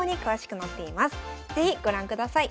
是非ご覧ください。